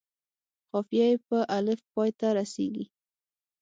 قافیه یې په الف پای ته رسيږي.